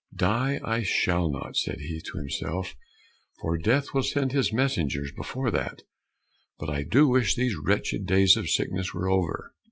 "Die, I shall not," said he to himself, "for Death will send his messengers before that, but I do wish these wretched days of sickness were over."